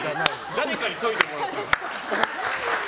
誰かに研いでもらったの？